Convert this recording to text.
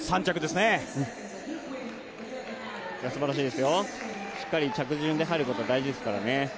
すばらしいですよ、しっかり着順で入ることが大事ですからね。